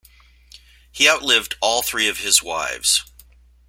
He outlived all three of his wives.